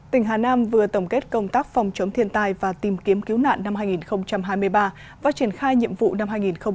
tỉnh hà nam vừa tổng kết công tác phòng chống thiên tai và tìm kiếm cứu nạn năm hai nghìn hai mươi ba và triển khai nhiệm vụ năm hai nghìn hai mươi bốn